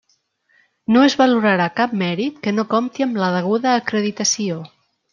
No es valorarà cap mèrit que no compti amb la deguda acreditació.